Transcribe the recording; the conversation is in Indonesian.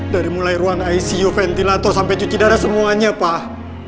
dari mulai ruang icu ventilator sampai cuci darah semuanya pak